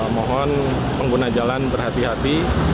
mohon pengguna jalan berhati hati